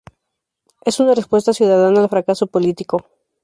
Es una respuesta ciudadana al fracaso político.